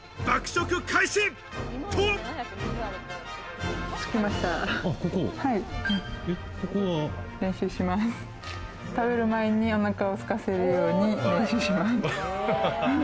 食べる前にお腹をすかせるように練習します。